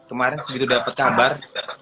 kemarin begitu dapet kabar